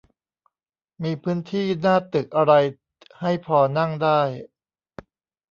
มีพื้นที่หน้าตึกอะไรให้พอนั่งได้